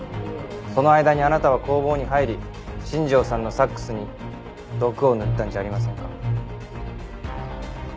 その間にあなたは工房に入り新庄さんのサックスに毒を塗ったんじゃありませんか？